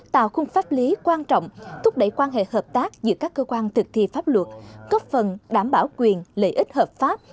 tạo khung pháp lý quan trọng thúc đẩy quan hệ hợp tác giữa các cơ quan thực thi pháp luật góp phần đảm bảo quyền lợi ích hợp pháp